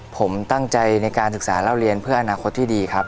ผมตั้งใจในการศึกษาเล่าเรียนเพื่ออนาคตที่ดีครับ